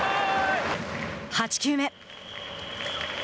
８球目。